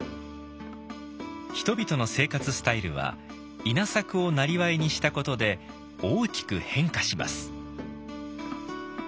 人々の生活スタイルは稲作を生業にしたことで大きく変化します。